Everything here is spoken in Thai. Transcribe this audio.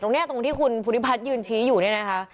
ตรงเนี้ยตรงที่คุณภูริพัฒน์ยืนชี้อยู่เนี่ยนะคะ